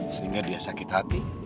sehingga dia sakit hati